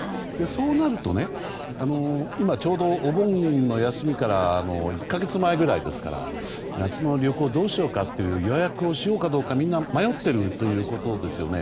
そうなると今、ちょうどお盆休みから１か月前くらいですから夏の旅行をどうしようか予約をしようかどうかみんな迷っているころですよね。